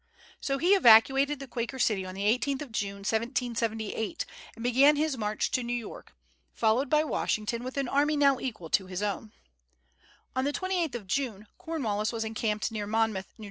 So he evacuated the Quaker City on the 18th of June, 1778, and began his march to New York, followed by Washington with an army now equal to his own. On the 28th of June Cornwallis was encamped near Monmouth, N.J.